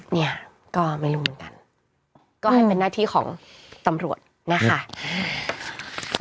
เนี่ยก็ไม่รู้เหมือนกันก็ให้เป็นหน้าที่ของตำรวจนะคะอืม